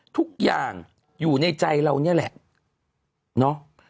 ทุกอย่างอยู่ในใจเอาบ้าง